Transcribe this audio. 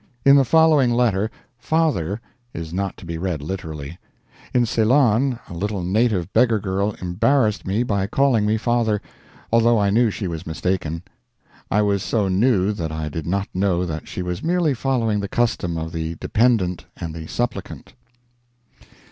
In the following letter "father" is not to be read literally. In Ceylon a little native beggar girl embarrassed me by calling me father, although I knew she was mistaken. I was so new that I did not know that she was merely following the custom of the dependent and the supplicant.